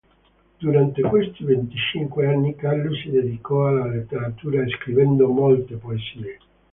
Durante questi venticinque anni Carlo si dedicò alla letteratura scrivendo molte poesie.